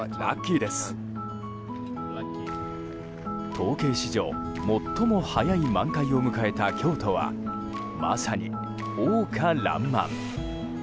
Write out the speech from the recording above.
統計史上最も早い満開を迎えた京都はまさに、桜花爛漫。